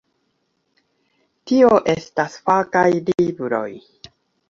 Tio estas fakaj libroj.